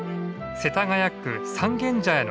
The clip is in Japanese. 世田谷区三軒茶屋の交差点。